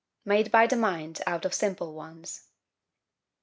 Made by the Mind out of simple Ones.